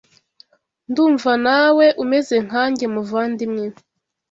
Ndumva nawe umeze nkange muvandimwe